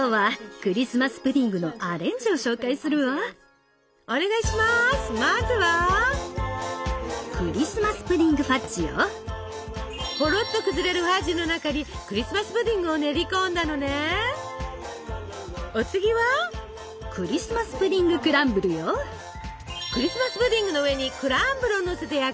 クリスマス・プディングの上にクランブルをのせて焼くんですって！